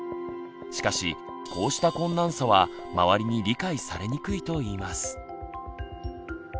しかしこうした困難さは周りに理解されにくいといいます。